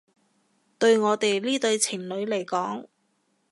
對我哋呢對情侶嚟講